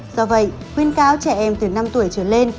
do vậy khuyên cáo trẻ em từ năm tuổi trở lên